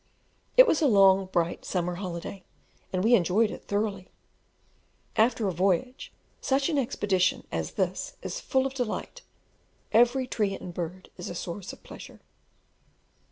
It was a long, bright, summer holiday, and we enjoyed it thoroughly. After a voyage, such an expedition as this is full of delight; every tree and bird is a source of pleasure.